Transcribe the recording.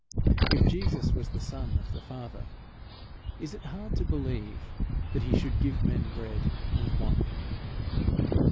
If Jesus was the son of the Father, is it hard to believe that he should give men bread and wine?